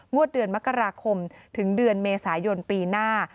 เดือนมกราคมถึงเดือนเมษายนปีหน้า